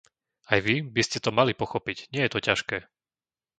Aj vy by ste to mali pochopiť, nie je to ťažké!